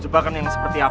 jebakan yang seperti apa